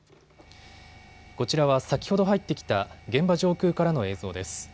こちらは先ほど入ってきた現場上空からの映像です。